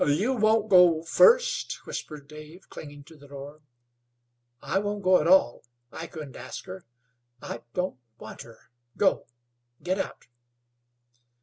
"You won't go first?" whispered Dave, clinging to the door. "I won't go at all. I couldn't ask her I don't want her go! Get out!"